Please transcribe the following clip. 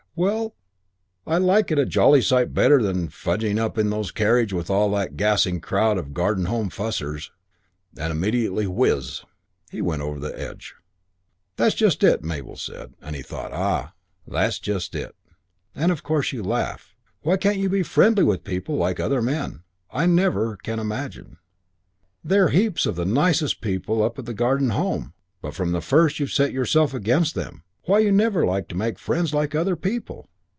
"Well, I like it a jolly sight better than fugging up in those carriages with all that gassing crowd of Garden Home fussers." And immediately, whizz! he went over the edge. "That's just it!" Mabel said. And he thought, "Ah!" "That's just it. And of course you laugh. Why you can't be friendly with people like other men, I never can imagine. There're heaps of the nicest people up at the Garden Home, but from the first you've set yourself against them. Why you never like to make friends like other people!"